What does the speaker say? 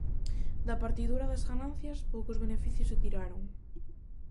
Da partidura das ganancias poucos beneficios se tiraron.